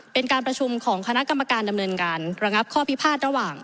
เป็นการประชุมของคณะกรรมการดำเนินการระงับข้อพิพาทระหว่าง